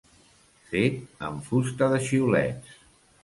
Fet amb fusta de xiulets.